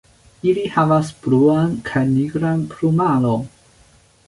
Ili havas bluan kaj nigran plumaron.